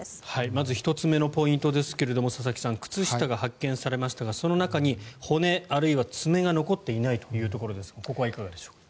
まず１つ目のポイントですが佐々木さん靴下が発見されましたがその中に骨あるいは爪が残っていないというところですがここはいかがでしょう。